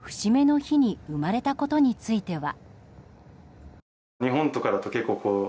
８０億人という、節目の日に生まれたことについては。